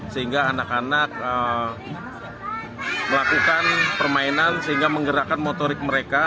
sehingga anak anak melakukan permainan sehingga menggerakkan motorik mereka